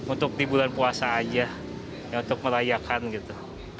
untuk di bulan puasa aja untuk merayakan gitu